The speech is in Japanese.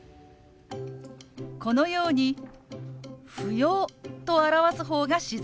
このように「不要」と表す方が自然です。